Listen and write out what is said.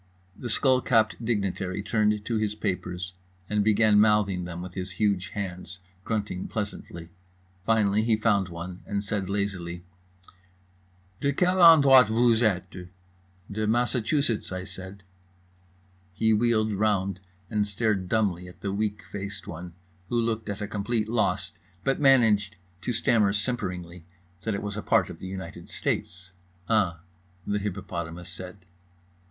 The skullcapped dignitary turned to his papers and began mouthing them with his huge hands, grunting pleasantly. Finally he found one, and said lazily: "De quelle endroit que vooz êtes?" "De Massachusetts," said I. He wheeled round and stared dumbly at the weak faced one, who looked at a complete loss, but managed to stammer simperingly that it was a part of the United States. "UH." The hippopotamus said.